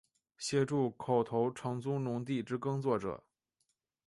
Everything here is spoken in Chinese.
协助口头承租农地之耕作者